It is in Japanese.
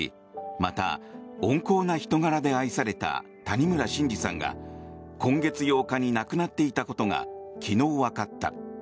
また、温厚な人柄で愛された谷村新司さんが今月８日に亡くなっていたことが昨日わかった。